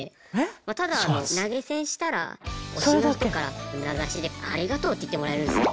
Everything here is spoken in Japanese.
ただ投げ銭したら推しの人から名指しで「ありがとう」って言ってもらえるんですよ。